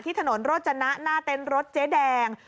ที่ถนนรถจนะหน้าเต้นรถเจ๊แดง